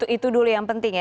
itu dulu yang penting ya